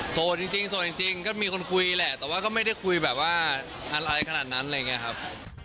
โสดจริงโสดจริงก็มีคนคุยแหละแต่ว่าก็ไม่ได้คุยแบบว่าอะไรขนาดนั้นอะไรอย่างนี้ครับ